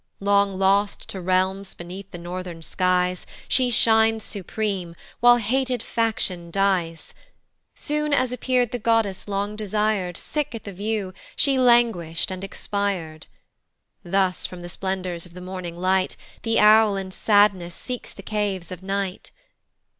Long lost to realms beneath the northern skies She shines supreme, while hated faction dies: Soon as appear'd the Goddess long desir'd, Sick at the view, she languish'd and expir'd; Thus from the splendors of the morning light The owl in sadness seeks the caves of night.